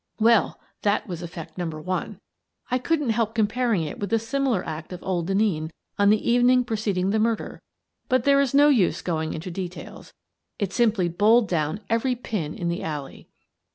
Well, that was Effect Number One. I couldn't help comparing it with the similar act of old Denneen on the evening preceding the murder. But there is no use going into details. It simply bowled down every pin in the alley.